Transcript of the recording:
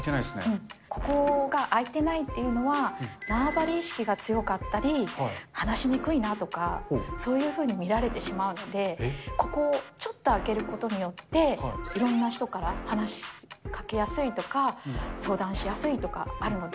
ここが空いてないというのは、縄張り意識が強かったり、話しにくいなとか、そういうふうに見られてしまうので、ここをちょっと空けることによって、いろんな人から話しかけやすいとか、相談しやすいとか、あるので。